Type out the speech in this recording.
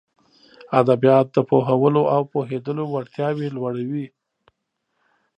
ادبيات د پوهولو او پوهېدلو وړتياوې لوړوي.